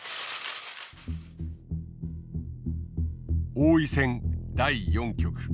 王位戦第４局。